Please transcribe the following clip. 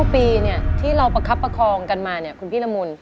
๙ปีที่เราประคับประคองกันมาคุณพี่ละมุน